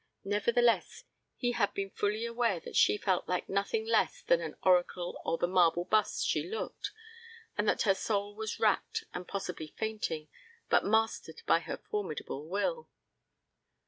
Nevertheless, he had been fully aware that she felt like nothing less than an oracle or the marble bust she looked, and that her soul was racked and possibly fainting, but mastered by her formidable will.